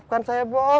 masih ada yang mau